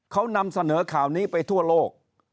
เขานำเสนอข่าวนี้ไปทั่วโลก